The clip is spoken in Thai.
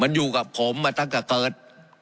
มันอยู่กับผมมาตั้งแต่เกิด